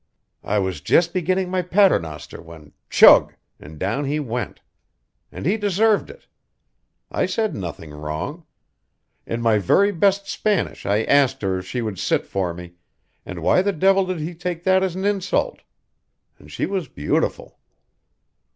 I was just beginning my paternoster when chug! and down he went! And he deserved it. I said nothing wrong. In my very best Spanish I asked her if she would sit for me, and why the devil did he take that as an insult? And she was beautiful."